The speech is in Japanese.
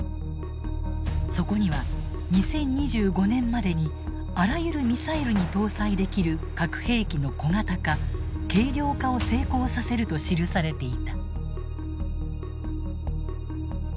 そこには２０２５年までにあらゆるミサイルに搭載できる核兵器の小型化軽量化を成功させると記されていた。